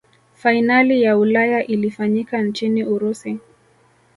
fainali ya ulaya ilifanyika nchini urusi